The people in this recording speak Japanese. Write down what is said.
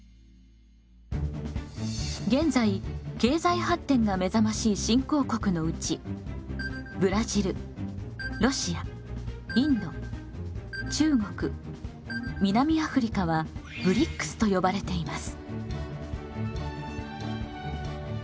現在経済発展がめざましい新興国のうちブラジルロシアインド中国南アフリカはＢＲＩＣＳと呼ばれています。